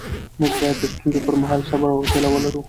موږ باید د ستونزو پر مهال صبر او حوصله ولرو